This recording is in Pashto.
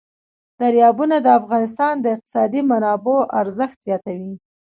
دریابونه د افغانستان د اقتصادي منابعو ارزښت زیاتوي.